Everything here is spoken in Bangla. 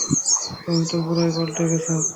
তুমি তো পুরোই পাল্টে গেছ।